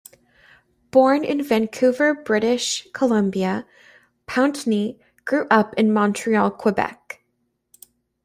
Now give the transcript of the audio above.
Born in Vancouver, British Columbia, Pountney grew up in Montreal, Quebec.